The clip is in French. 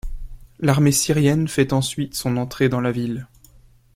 L'armée syrienne fait ensuite son entrée dans la ville.